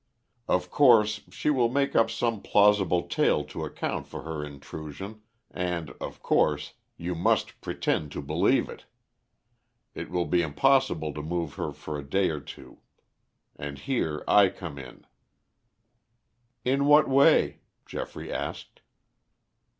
Of course, she will make up some plausible tale to account for her intrusion, and, of course, you must pretend to believe it. It will be impossible to move her for a day or two, and here I come in." "In what way?" Geoffrey asked.